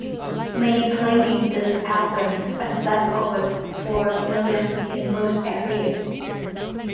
Many claiming this album a step forward for Ilium in most areas.